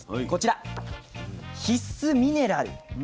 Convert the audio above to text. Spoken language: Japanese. こちら必須ミネラル。